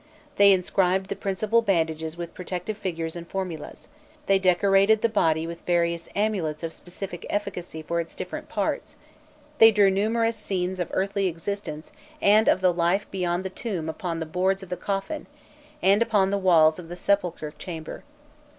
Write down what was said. They inscribed the principal bandages with protective figures and formulas; they decorated the body with various amulets of specific efficacy for its different parts; they drew numerous scenes of earthly existence and of the life beyond the tomb upon the boards of the coffin and upon the walls of the sepulchral chamber.